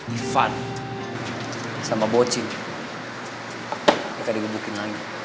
ivan sama bocin dia kan dihubungin lagi